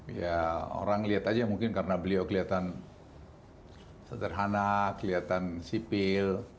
ya orang lihat aja mungkin karena beliau kelihatan sederhana kelihatan sipil